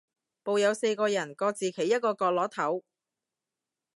部有四個人，各自企一個角落頭